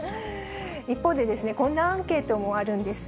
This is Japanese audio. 一方で、こんなアンケートもあるんです。